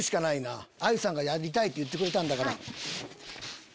あゆさんがやりたいって言ってくれたんだから。